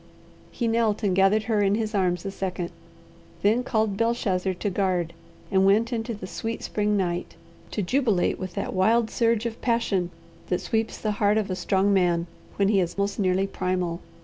He knelt and gathered her in his arms a second, then called Belshazzar to guard, and went into the sweet spring night, to jubilate with that wild surge of passion that sweeps the heart of a strong man when he is most nearly primal.